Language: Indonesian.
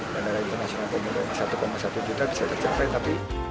bandara internasional satu satu juta bisa tercapai tapi